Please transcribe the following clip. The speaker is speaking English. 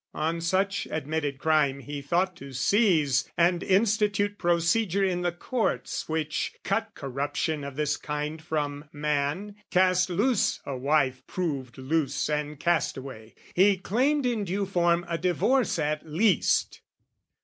On such admitted crime he thought to seize, And institute procedure in the courts Which cut corruption of this kind from man, Cast loose a wife proved loose and castaway: He claimed in due form a divorce at least.